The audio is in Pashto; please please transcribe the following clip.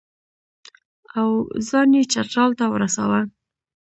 او ځان یې چترال ته ورساوه.